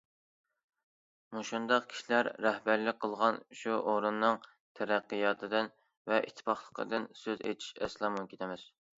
مۇشۇنداق كىشىلەر رەھبەرلىك قىلغان شۇ ئورۇننىڭ تەرەققىياتىدىن ۋە ئىتتىپاقلىقىدىن سۆز ئېچىش ئەسلا مۇمكىن ئەمەس.